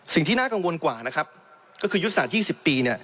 สิ่งที่น่ากังวลกว่านะครับก็คือยุทธศาสตร์๒๐ปีเนี่ย